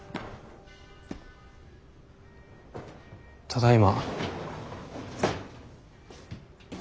ただいま。